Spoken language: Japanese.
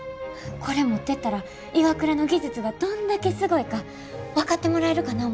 これ持ってったらＩＷＡＫＵＲＡの技術がどんだけすごいか分かってもらえるかな思て。